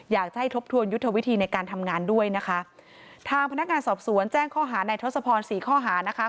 อยากจะให้ทบทวนยุทธวิธีในการทำงานด้วยนะคะทางพนักงานสอบสวนแจ้งข้อหาในทศพรสี่ข้อหานะคะ